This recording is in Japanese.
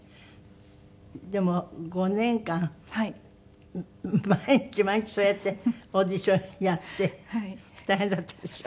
でも５年間毎日毎日そうやってオーディションやって大変だったでしょ？